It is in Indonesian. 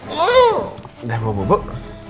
udah mau bobok